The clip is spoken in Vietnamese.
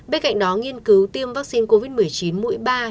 bên cạnh đó nghiên cứu tiêm vaccine covid một mươi chín mũi ba cho người dân